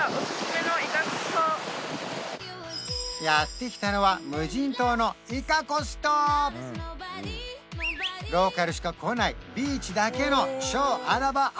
やって来たのは無人島のイカコス島ローカルしか来ないビーチだけの超穴場